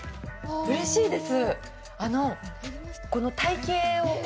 うれしいです。